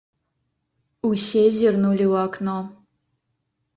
Усе зірнулі ў акно.